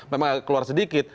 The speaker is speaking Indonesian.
memang keluar sedikit